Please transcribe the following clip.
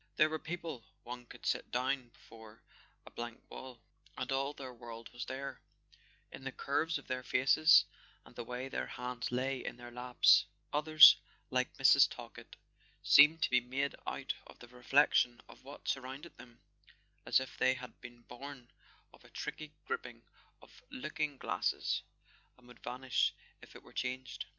There were people one could sit down before a blank wall, and all their world was there, in the curves of their faces and the way their hands lay in their laps; others, like Mrs. Talkett, seemed to be made out of the reflection of what surrounded them, as if they had been born of a tricky grouping of looking glasses, and would vanish if it were changed.